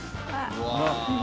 うわ。